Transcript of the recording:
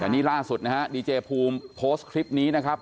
แต่นี่ล่าสุดนะฮะดีเจภูมิโพสต์คลิปนี้นะครับ